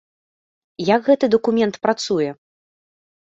Як гэты дакумент працуе?